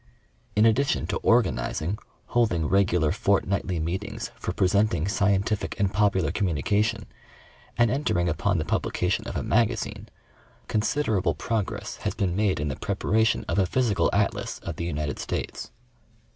In addition to organizing, holding regular fortnightly meetings for presenting scientific and popular communications, and enter ing upon the publication of a Magazine, considerable progress has been made in the preparation of a Physical Atlas of the United States.